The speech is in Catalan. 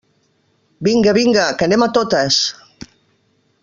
Vinga, vinga, que anem a totes!